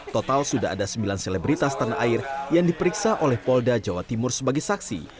total sudah ada sembilan selebritas tanah air yang diperiksa oleh polda jawa timur sebagai saksi